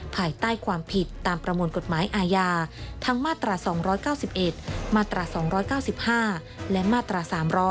ภายใต้ความผิดตามประมวลกฎหมายอาญาทั้งมาตรา๒๙๑มาตรา๒๙๕และมาตรา๓๐